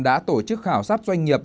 đã tổ chức khảo sát doanh nghiệp